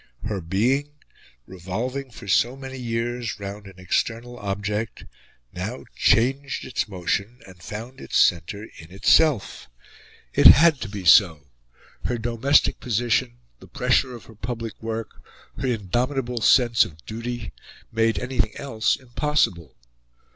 Her being, revolving for so many years round an external object, now changed its motion and found its centre in itself. It had to be so: her domestic position, the pressure of her public work, her indomitable sense of duty, made anything else impossible.